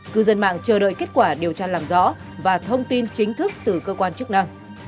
cư dân mạng chờ đợi kết quả điều tra làm rõ và thông tin chính thức từ cơ quan chức năng